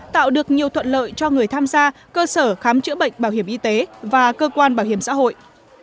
tạo được nhiều thuận lợi cho người tham gia cơ sở khám chữa bệnh bảo hiểm y tế và cơ quan bảo hiểm xã hội